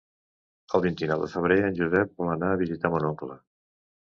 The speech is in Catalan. El vint-i-nou de febrer en Josep vol anar a visitar mon oncle.